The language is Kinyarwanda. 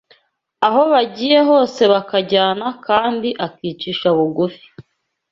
aho bagiye hose bakajyana kandi akicisha bugufi